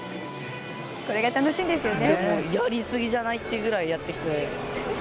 これが楽しいんですよね。